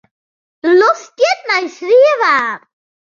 De loft stiet nei swier waar.